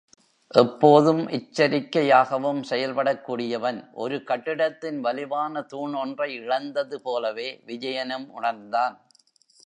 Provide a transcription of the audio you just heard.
எப்போதும் எச்சரிகையாகவும் செயல்படக் கூடியவன், ஒரு கட்டிடத்தின் வலுவான தூண் ஒன்றை இழந்தது போலவே விஜயனும் உணர்ந்தான்.